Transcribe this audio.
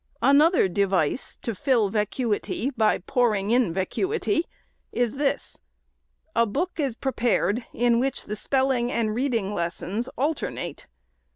Another device to fill vacuity by pouring in vacuity, is this ;— a book is prepared, in which the spelling and read ing lessons alternate.